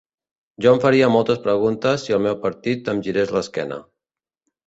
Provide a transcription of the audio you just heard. Jo em faria moltes preguntes si el meu partit em girés l’esquena.